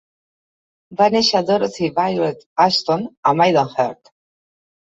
Va néixer Dorothy Violet Ashton a Maidenhead.